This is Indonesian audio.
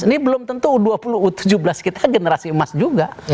ini belum tentu u dua puluh u tujuh belas kita generasi emas juga